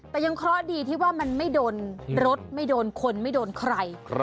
แต่ยังเคราะห์ดีที่ว่ามันไม่โดนรถไม่โดนคนไม่โดนใคร